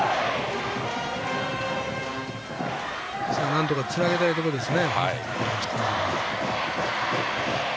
なんとかつなげたいところです。